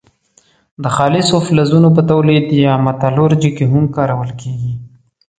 د خالصو فلزونو په تولید یا متالورجي کې هم کارول کیږي.